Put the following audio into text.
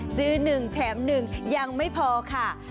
ซื้อหนึ่งแถมหนึ่งยังไม่พอค่ะ